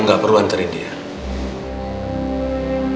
dengan pesan papa selama ini sama kamu